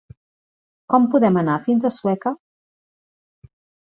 Com podem anar fins a Sueca?